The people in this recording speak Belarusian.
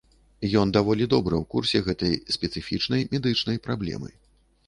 Ён даволі добра ў курсе гэтай спецыфічнай медычнай праблемы.